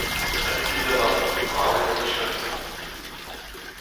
Salud dit Anna ! Brav eo da dicheurt !